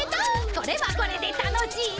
これはこれでたのしいねえ。